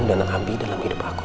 dan amby dalam hidup aku